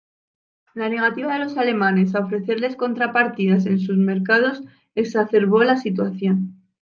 La negativa de los alemanes a ofrecerles contrapartidas en sus mercados exacerbó la situación.